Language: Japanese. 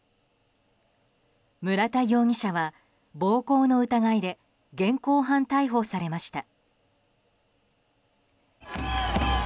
村田容疑者は暴行の疑いで現行犯逮捕されました。